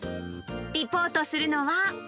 リポートするのは。